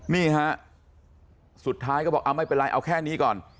นี่ฮะสุดท้ายก็บอกเอาไม่เป็นไรเอาแค่นี้ก่อน